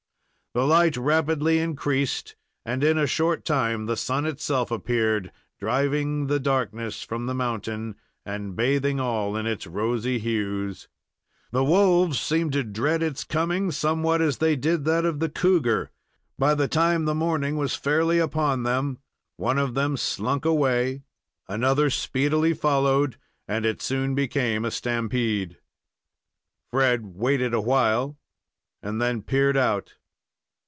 The light rapidly increased, and in a short time the sun itself appeared, driving the darkness from the mountain and bathing all in its rosy hues. The wolves seemed to dread its coming somewhat as they did that of the cougar. By the time the morning was fairly upon them, one of them slunk away. Another speedily followed, and it soon became a stampede. Fred waited awhile, and then peered out.